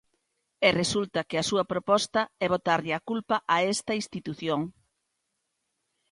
E resulta que a súa proposta é botarlle a culpa a esta institución.